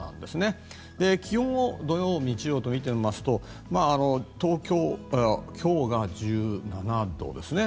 気温も土曜、日曜と見てみますと東京、今日が１７度ですね。